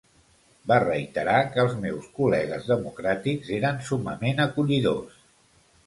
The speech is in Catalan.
Va reiterar que els meus col·legues democràtics eren summament acollidors.